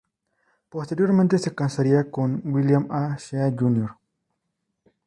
Posteriormente se casaría con William A. Shea, Jr.